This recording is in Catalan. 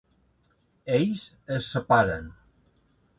Ells es separen.